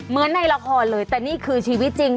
ในละครเลยแต่นี่คือชีวิตจริง